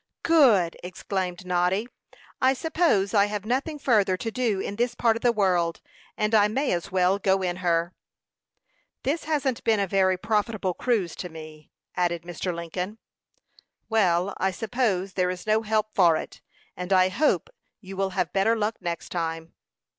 "Good!" exclaimed Noddy. "I suppose I have nothing further to do in this part of the world, and I may as well go in her." "This hasn't been a very profitable cruise to me," added Mr. Lincoln. "Well, I suppose there is no help for it; and I hope you will have better luck next time."